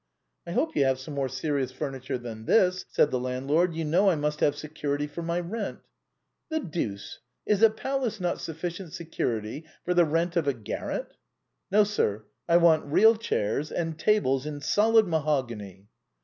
" I hope you have some more serious furniture than this," said the landlord. " You know I must have security for my rent." " The deuce ! is a palace not sufficient security for the rent of a garret ?"" No, sir ; I want real chairs and tables in solid ma hogany."